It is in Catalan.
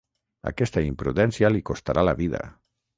Aquesta imprudència li costarà la vida.